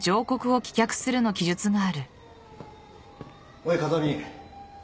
おい風見。